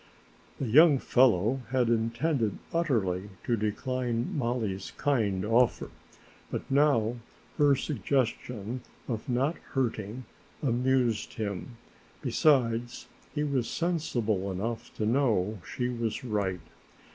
The young fellow had intended utterly to decline Mollie's kindly offer, but now her suggestion of not hurting amused him, besides he was sensible enough to know she was right.